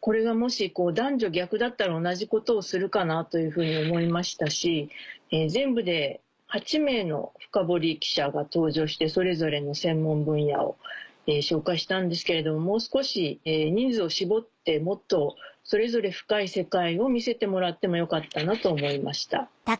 これがもし男女逆だったら同じことをするかなというふうに思いましたし全部で８名のフカボリ記者が登場してそれぞれの専門分野を紹介したんですけれどももう少し人数を絞ってもっとそれぞれ深い世界を見せてもらってもよかったなと思いました。